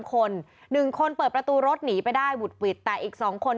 คน๑คนเปิดประตูรถหนีไปได้หุดหวิดแต่อีก๒คน